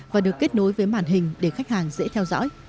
và được kết nối với màn hình để khách hàng dễ theo dõi